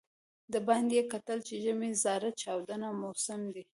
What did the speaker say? د باندې یې کتل چې ژمی زاره چاودون موسم دی.